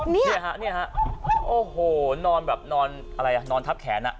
นี่ฮะเนี่ยฮะโอ้โหนอนแบบนอนอะไรอ่ะนอนทับแขนอ่ะ